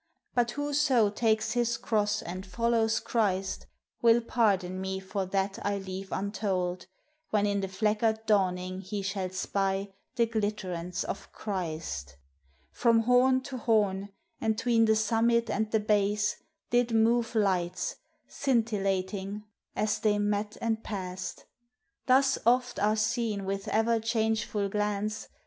But whoso takes his cross, and follows Christ, Will pardon me for that I leave untold, When in the fleckered dawning he shall spy The glitterance of Christ. From horn to horn, And 'tween the summit and the base, did move Lights, scintillating, as the} 7 met and passed. Thus oft are seen with ever changeful glance.